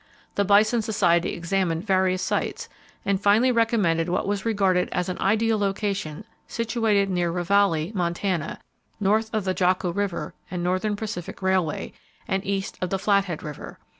The Bison Society examined various sites, and finally recommended what was regarded as an ideal location situated near Ravalli, Montana, north of the Jocko River and Northern Pacific Railway, and east of the Flathead River.